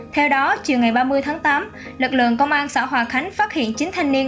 theo đó chiều ngày ba mươi tháng tám lực lượng công an xã hòa khánh phát hiện chín thanh niên